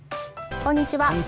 こんにちは。